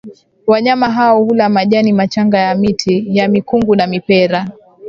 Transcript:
Wanyama hao hula majani machanga ya miti ya mikungu na mipera